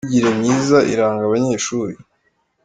Imyigire myiza iranga abanyeshuri.